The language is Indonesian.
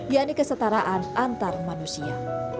yaitu kesetaraan antar manusia